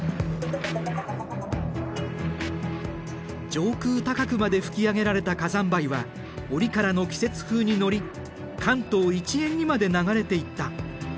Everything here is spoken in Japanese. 上空高くまで噴き上げられた火山灰は折からの季節風に乗り関東一円にまで流れていった。